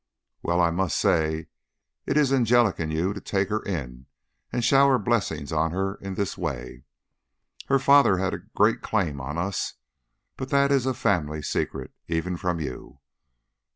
"Well, I must say it is angelic in you to take her in and shower blessings on her in this way " "Her father had a great claim on us, but that is a family secret, even from you.